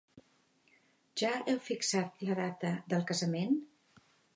Ja heu fixat la data del casament?